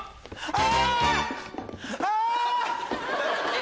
あ！